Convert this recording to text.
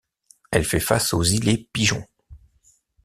Elle fait face aux Îlets Pigeon.